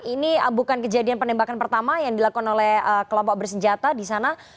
ini bukan kejadian penembakan pertama yang dilakukan oleh kelompok bersenjata di sana